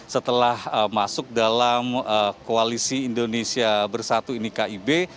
setelah masuk dalam koalisi indonesia bersatu ini kib